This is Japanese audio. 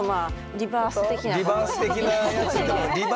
リバース的な。